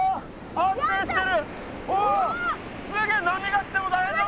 安定してる！